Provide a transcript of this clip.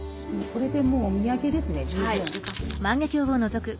これでもうお土産ですね十分。